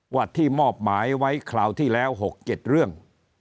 ว่าที่มอบหมายไว้คราวที่แล้ว๖๗เรื่อง